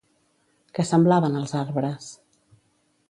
Què semblaven els arbres?